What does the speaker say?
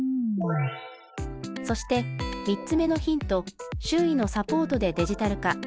そして、３つ目のヒント周囲のサポートでデジタル化。